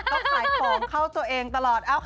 ต้องขายของเข้าตัวเองตลอดเอ้าค่ะ